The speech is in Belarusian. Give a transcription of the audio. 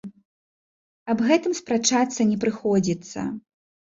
Аб гэтым спрачацца не прыходзіцца.